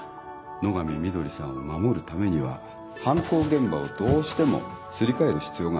野上碧さんを守るためには犯行現場をどうしてもすり替える必要があった。